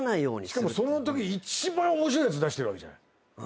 しかもそのとき一番面白いやつ出してるわけじゃない。